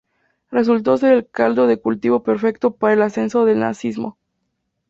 Resultó ser el caldo de cultivo perfecto para el ascenso del nazismo.